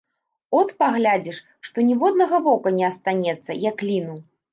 От паглядзіш, што ніводнага вока не астанецца, як ліну.